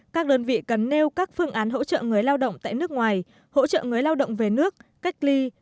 các đơn vị cần nêu các phương án hỗ trợ người lao động tại nước ngoài hỗ trợ người lao động về nước cách ly